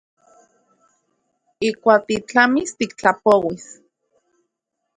Ijkuak titlamis tiktlapouis.